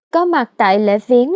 có mặt tại lễ viếng